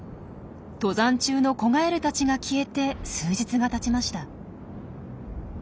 登山中の子ガエルたちが消えて数日がたちました。